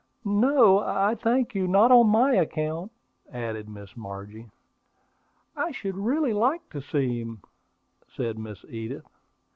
"No, I thank you; not on my account," added Miss Margie. "I should really like to see him," said Miss Edith.